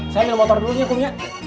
saya ambil motor dulunya kum ya